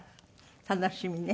楽しみね。